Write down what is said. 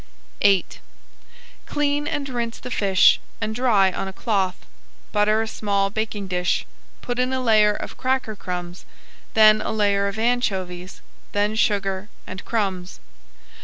VIII Clean and rinse the fish and dry on a cloth. Butter a small baking dish, put in a layer of cracker crumbs, then a layer of anchovies, then sugar and crumbs.